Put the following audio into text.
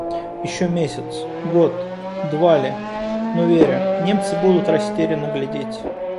Еще месяц, год, два ли, но верю: немцы будут растерянно глядеть